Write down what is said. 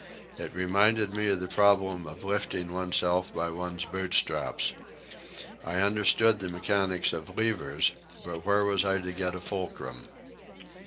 It reminded me of the problem of lifting oneself by one's boot straps. I understood the mechanics of levers; but where was I to get a fulcrum?